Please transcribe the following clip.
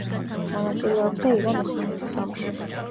მონაწილეობდა ირან-ოსმალეთის ომში.